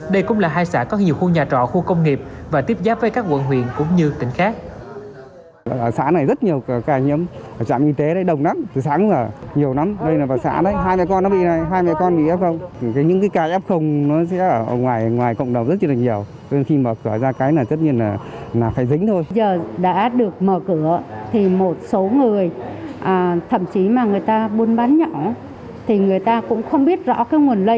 đây cũng là hai xã có nhiều khu nhà trọ khu công nghiệp và tiếp giáp với các quận huyện cũng như tỉnh khác